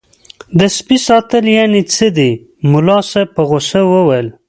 د سپي ساتل یعنې څه دي ملا صاحب په غوسه وویل.